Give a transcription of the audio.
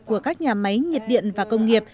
của các nhà máy nhiệt điện và công nghiệp